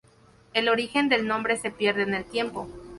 El origen del nombre se pierde en el tiempo.